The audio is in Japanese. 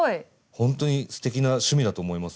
ほんとにすてきな趣味だと思います。